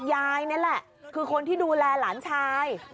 ยายนี่แหละคือคนที่ดูแลหลานชาย